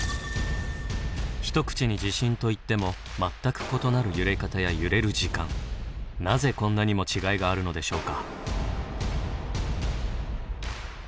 一口に地震と言っても全く異なる揺れ方や揺れる時間なぜこんなにも違いがあるのでしょうか？